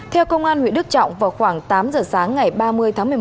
theo công an huyện đức trọng vào khoảng tám giờ sáng ngày ba mươi tháng một mươi một